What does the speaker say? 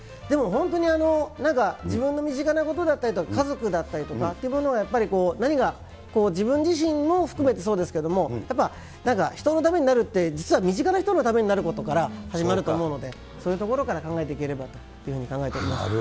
でも本当に、なんか、自分の身近なことだったり、家族だったりとかっていうものが、やっぱり、何か自分自身も含めてそうですけれども、やっぱ、なんか人のためになるって、実は身近な人のためになることから始まると思うので、そういうところから考えていければというふうに考えております。